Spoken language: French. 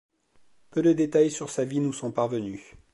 Peu de détails sur sa vie nous sont parvenus.